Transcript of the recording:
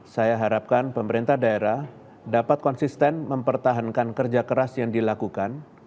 saya harapkan pemerintah daerah dapat konsisten mempertahankan kerja keras yang dilakukan